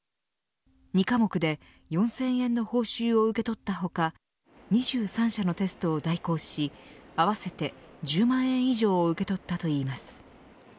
２科目で４０００円の報酬を受け取った他２３社のテストを代行し合わせて１０万円以上を受け取ったといいます。